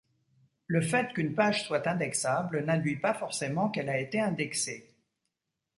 Le fait qu'une page soit indexable n'induit pas forcément qu'elle a été indexée.